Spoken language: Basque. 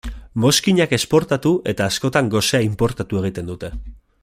Mozkinak esportatu eta askotan gosea inportatu egiten dute.